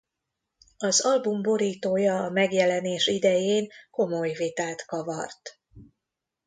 Az album borítója a megjelenés idején komoly vitát kavart.